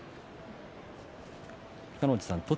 北の富士さん、栃